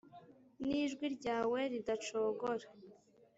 nijwi ryawe ridacogora